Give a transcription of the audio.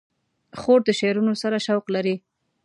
خور د شعرونو سره شوق لري.